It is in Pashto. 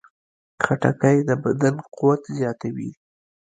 خټکی د بدن قوت زیاتوي.